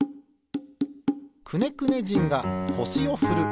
くねくね人がこしをふる。